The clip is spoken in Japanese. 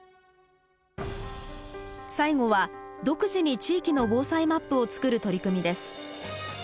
最後は独自に地域の防災マップを作る取り組みです。